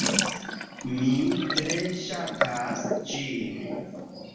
Mi tre ŝatas ĝin.